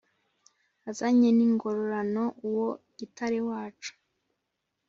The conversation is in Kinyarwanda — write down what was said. Azanye n’ ingororano uwo gitare wacu